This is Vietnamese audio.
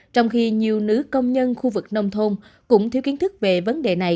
trong khi nhiều nữ công nhân khu vực nông thôn cũng thiếu kiến thức về vấn đề này